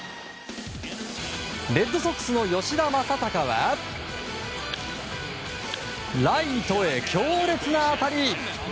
レッドソックスの吉田正尚はライトへ強烈な当たり！